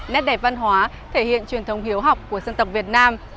nét đẹp văn hóa thể hiện truyền thống hiếu học của dân tộc việt nam